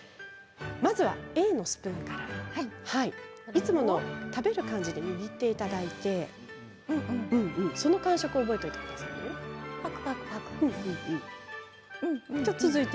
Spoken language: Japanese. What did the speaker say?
まずはＡのスプーンからいつもの食べる感じで握っていただいてその感触を覚えておいてください。